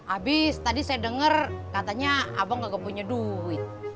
abis tadi saya dengar katanya abang enggak punya duit